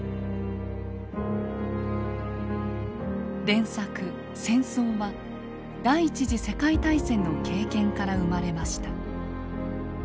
連作「戦争」は第一次世界大戦の経験から生まれました。